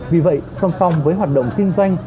vì vậy song song với hoạt động kinh doanh